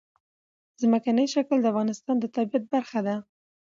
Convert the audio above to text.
ځمکنی شکل د افغانستان د طبیعت برخه ده.